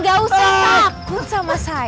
gak usah takut sama saya